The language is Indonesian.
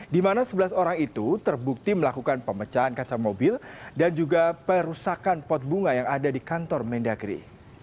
di mana sebelas orang itu terbukti melakukan pemecahan kaca mobil dan juga perusakan pot bunga yang ada di kantor mendagri